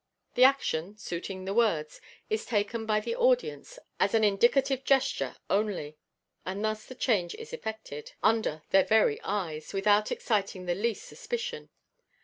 The action, suiting the words, is taken by the audience as an indicative gesture only, and thus the change is effected under their very eyes without exciting the least suspicion.